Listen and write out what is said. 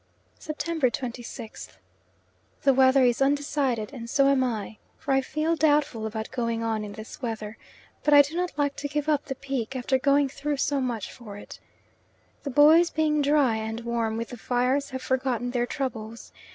September 26th. The weather is undecided and so am I, for I feel doubtful about going on in this weather, but I do not like to give up the peak after going through so much for it. The boys being dry and warm with the fires have forgotten their troubles.